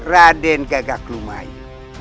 raden gagak lumayan